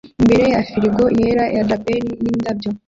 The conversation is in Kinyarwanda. imbere ya firigo yera na drapeur yindabyo